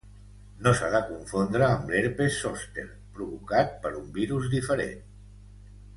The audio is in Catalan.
No s'ha de confondre amb l'herpes zòster, provocat per un virus diferent.